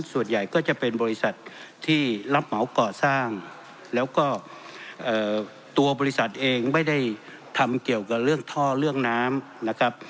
ส่วนใหญ่ก็จะเป็นบริษัทที่รับเหมาก่อสร้างแล้วก็ตัวบริษัทเองไม่ได้ทำเกี่ยวกับเรื่องท่อเรื่องน้ำนะครับ